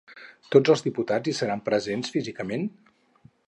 Tots els diputats hi seran presents físicament?